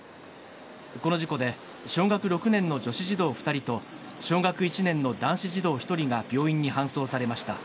この事故で小学６年の女子児童２人と、小学１年の男子児童１人が病院に搬送されました。